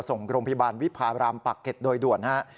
ส่งโรงพยาบาลวิพารามปากเก็ตโดยด่วนฮะ